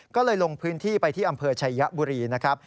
ก็เลยลงพื้นที่ไปที่อำเภอชัยบุรีนะครับ